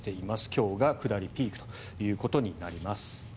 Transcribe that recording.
今日が下りピークということになります。